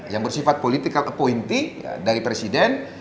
yang bersifat political appointee dari presiden